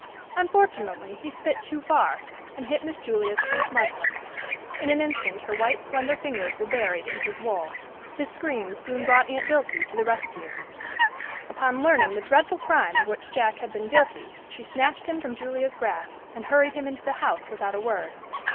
Unfortunately he spit too far, and hit Miss Julia's pink muslin. In an instant her white, slender fingers were buried in his wool. His screams soon brought Aunt Dilsey to the rescue. Upon learning the dreadful crime of which Jack had been guilty, she snatched him from Julia's grasp, and hurried him into the house without a word.